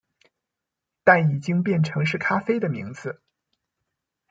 但已經變成是咖啡的名字